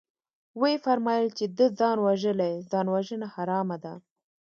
ويې فرمايل چې ده ځان وژلى ځانوژنه حرامه ده.